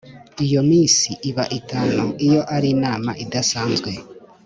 Iyo minsi iba itanu iyo ari inama idasanzwe